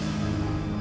aku bisa sembuh